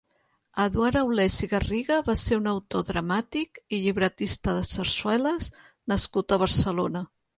Eduard Aulés i Garriga va ser un autor dramàtic i llibretista de sarsueles nascut a Barcelona.